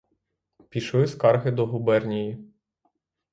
Пішли скарги до губернії.